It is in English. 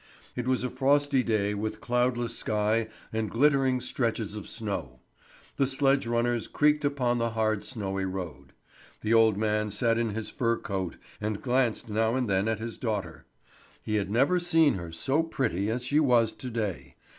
It was a frosty day with cloudless sky and glittering stretches of snow. The sledge runners creaked upon the hard snowy road. The old man sat in his fur coat, and glanced now and then at his daughter. He had never seen her so pretty as she was to day.